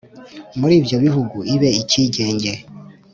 muri ibyo bihugu ibe icyigenge,